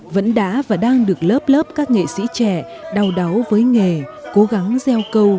vẫn đã và đang được lớp lớp các nghệ sĩ trẻ đau đáu với nghề cố gắng gieo câu